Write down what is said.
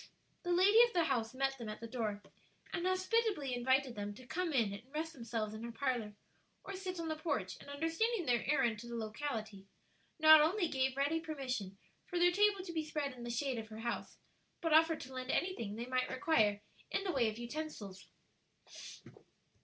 The lady of the house met them at the door, and hospitably invited them to come in and rest themselves in her parlor, or sit on the porch; and understanding their errand to the locality, not only gave ready permission for their table to be spread in the shade of her house, but offered to lend anything they might require in the way of utensils.